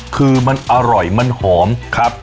คือมันอร่อยมันหอมครับ